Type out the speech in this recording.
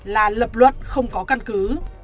là lập luật không có căn cứ